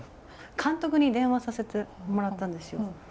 監督に電話させてもらったんですよ。